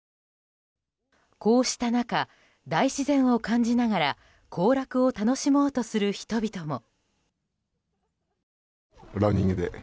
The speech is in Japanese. こうした中、大自然を感じながら行楽を楽しもうとする人々も。